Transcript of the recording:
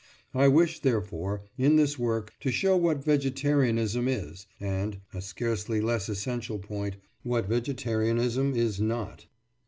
I wish, therefore, in this work, to show what vegetarianism is, and (a scarcely less essential point) what vegetarianism is not.